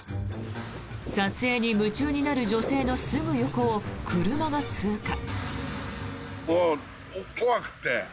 撮影に夢中になる女性のすぐ横を車が通過。